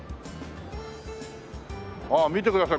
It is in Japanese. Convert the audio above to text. わあ見てください